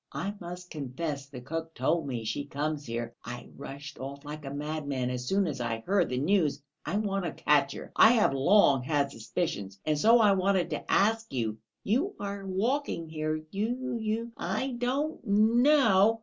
I must confess the cook told me she comes here; I rushed off like a madman as soon as I heard the news; I want to catch her. I have long had suspicions, and so I wanted to ask you; you are walking here ... you you I don't know...."